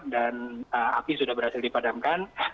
dan api sudah berhasil dipadamkan